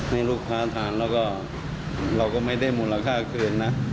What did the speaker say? ให้ลูกค้าทานแล้วก็เราก็ไม่ได้มูลค่าคืนนะ